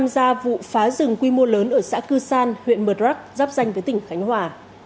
xửng quy mô lớn ở xã cư san huyện mờ rắc giáp danh với tỉnh khánh hòa